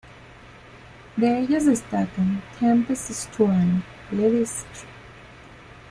De ellas destacan Tempest Storm, Lili St.